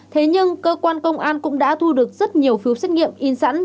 thế nhưng cơ quan công an cũng đã thu được rất nhiều phiếu xét nghiệm in sẵn